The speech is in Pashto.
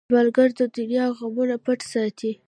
سوالګر د دنیا غمونه پټ ساتي